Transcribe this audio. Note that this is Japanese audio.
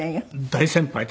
大先輩だ。